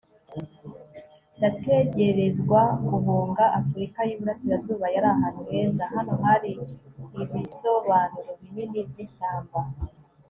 yategerezwa guhunga. afurika y'iburasirazuba yari ahantu heza. hano hari ibisobanuro binini by'ishyamba